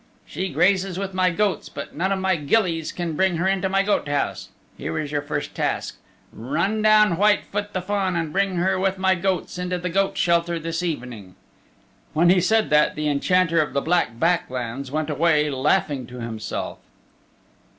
"She grazes with my goats but none of my gillies can bring her into my goat house. Here is your first task run down Whitefoot the Fawn and bring her with my goats into the goat shelter this evening." When he said that the Enchanter of the Black Back Lands went away laughing to himself.